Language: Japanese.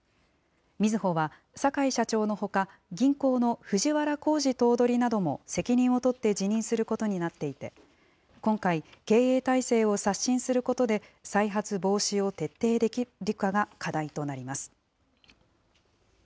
みずほは、坂井社長のほか、銀行の藤原弘治頭取なども、責任を取って辞任することになっていて、今回、経営体制を刷新することで再発防止を徹底できるかが課題となります。